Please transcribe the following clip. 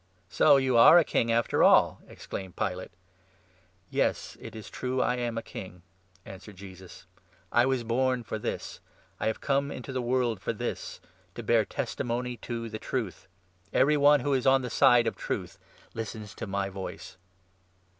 " So you are a King after all !" exclaimed Pilate. 37 "Yes, it is true I am a King," answered Jesus. "I was born for this, I have come into the world for this— to bear testimony to the Truth. Every one who is on the side of Truth listens to my voice."